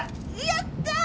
やった！